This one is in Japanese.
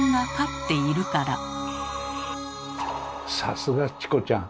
さすがチコちゃん！